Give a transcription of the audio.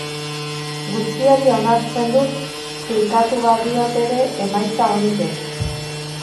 Guztiari onartzen dut klikatu badiot ere, emaitza onik ez.